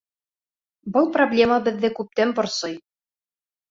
Был проблема беҙҙе күптән борсой.